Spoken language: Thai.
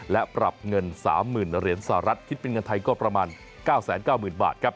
และปรับเงิน๓๐๐๐เหรียญสหรัฐคิดเป็นเงินไทยก็ประมาณ๙๙๐๐บาทครับ